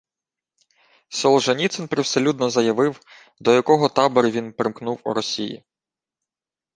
Солженіцин привселюдно заявив, до якого табору він примкнув у Росії